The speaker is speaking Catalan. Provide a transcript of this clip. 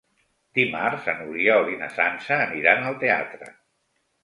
Dimarts n'Oriol i na Sança aniran al teatre.